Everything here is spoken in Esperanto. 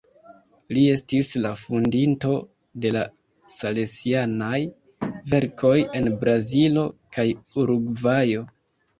Li estis la fondinto de la salesianaj verkoj en Brazilo kaj Urugvajo.